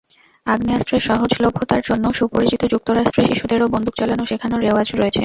আগ্নেয়াস্ত্রের সহজলভ্যতার জন্য সুপরিচিত যুক্তরাষ্ট্রে শিশুদেরও বন্দুক চালানো শেখানোর রেওয়াজ রয়েছে।